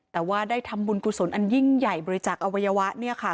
แต่ว่าได้ทำบุญกุศลอันยิ่งใหญ่บริจาคอวัยวะ